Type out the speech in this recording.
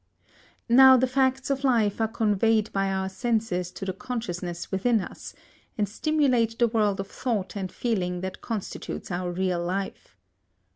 Now the facts of life are conveyed by our senses to the consciousness within us, and stimulate the world of thought and feeling that constitutes our real life.